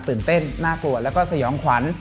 ตื่นเต้นน่ากลัวแล้วก็สยองขวัญ